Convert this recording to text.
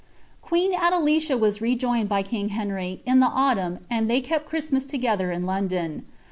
. sen Adelicia was rejoined by king Henry, in the autumn, and [ An kepi ilieir Christmas together in Loudon.